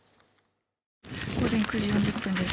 午前９時４０分です。